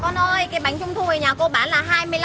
con ơi cái bánh trung thu ở nhà cô bán là hai mươi năm